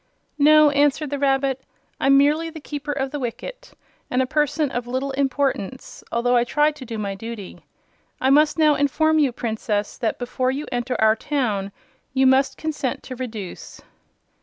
"No," answered the rabbit, "I'm merely the Keeper of the Wicket, and a person of little importance, although I try to do my duty. I must now inform you, Princess, that before you enter our town you must consent to reduce."